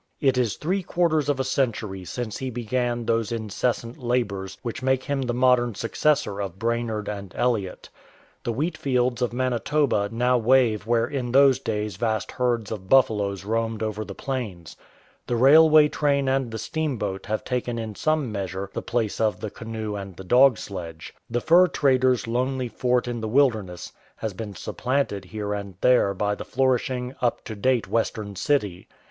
It is thi'ee quarters of a century since he began those incessant labours which make him the modern successor of Brainerd 199 THE BACKWOODS SCHOOLMASTER and Eliot. The wlieaifields of Manitoba now wave where in those clays vast herds of buffaloes roamed over the plains. The railway train and the steamboat have taken in some measure the place of the canoe and the dog sledge. The fur trader\s lonely fort in the wilderness has been supplanted here and there by the flourishing, up to date Western city.